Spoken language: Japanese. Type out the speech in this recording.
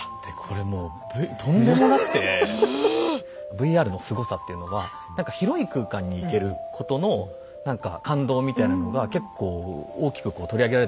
ＶＲのすごさっていうのは何か広い空間に行けることの何か感動みたいなのが結構大きく取り上げられたイメージだったんですね。